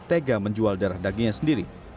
tega menjual darah dagingnya sendiri